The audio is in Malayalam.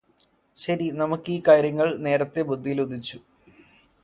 ശരി നമുക്ക് ഈ കാര്യങ്ങള് നേരത്തെ ബുദ്ധിയിൽ ഉദിച്ചു